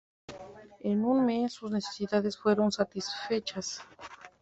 En un mes sus necesidades fueron satisfechas.